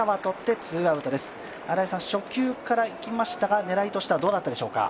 初球からいきましたが、狙いとしてはどうだったでしょうか？